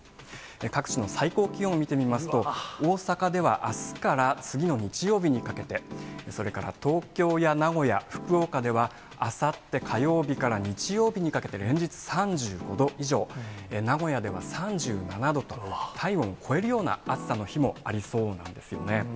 各地の最高気温を見てみますと、大阪ではあすから次の日曜日にかけて、それから東京や名古屋、福岡では、あさって火曜日から日曜日にかけて、連日３５度以上、名古屋では３７度と、体温を超えるような暑さの日もありそうなんですよね。